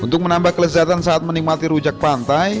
untuk menambah kelezatan saat menikmati rujak pantai